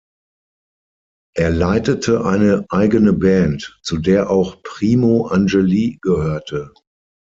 Er leitete eine eigene Band, zu der auch Primo Angeli gehörte.